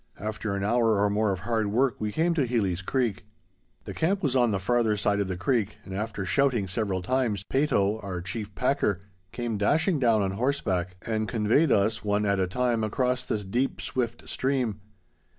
After an hour or more of hard work we came to Heely's Creek. [Illustration: PEYTO.] The camp was on the farther side of the creek, and, after shouting several times, Peyto, our chief packer, came dashing down on horseback, and conveyed us, one at a time, across the deep, swift stream.